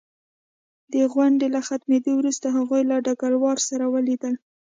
د غونډې له ختمېدو وروسته هغوی له ډګروال سره ولیدل